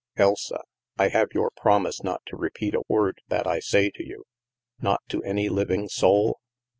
" Elsa, I have your promise not to repeat a word that I say to you? Not to any living soul?